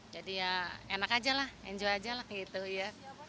jadi ya enak aja lah enjoy aja lah gitu ya